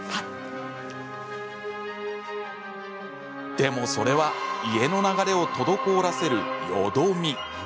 でもそれは家の流れを滞らせる、よどみ。